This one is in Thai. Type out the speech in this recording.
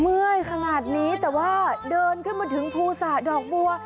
เมื่อยขนาดนี้แต่ว่าเดินขึ้นมาถึงภูสะดอกบัว